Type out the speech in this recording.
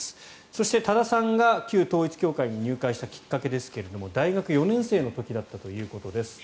そして、多田さんが旧統一教会に入会したきっかけですが大学４年生の時だったということです。